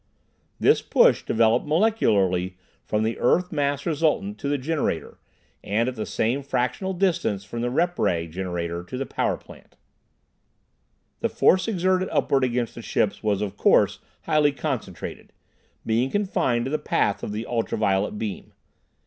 This push developed molecularly from the earth mass resultant to the generator; and at the same fractional distance from the rep ray generator to the power plant. The force exerted upward against the ship was, of course, highly concentrated, being confined to the path of the ultraviolet beam.